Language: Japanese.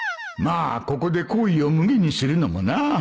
まあここで厚意をむげにするのもな